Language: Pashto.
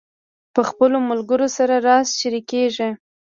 پخو ملګرو سره راز شریکېږي